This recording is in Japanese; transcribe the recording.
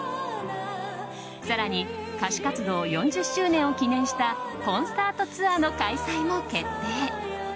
更に歌手活動４０周年を記念したコンサートツアーの開催も決定。